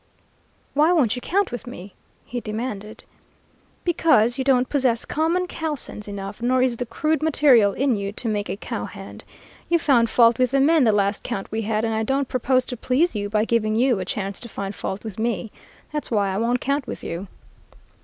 "'Why won't you count with me?' he demanded. "'Because you don't possess common cow sense enough, nor is the crude material in you to make a cow hand. You found fault with the men the last count we had, and I don't propose to please you by giving you a chance to find fault with me. That's why I won't count with you.'